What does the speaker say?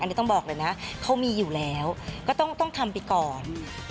อันนี้ต้องบอกเลยนะเขามีอยู่แล้วก็ต้องทำไปก่อน